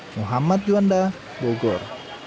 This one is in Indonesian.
muhammad juanda bogor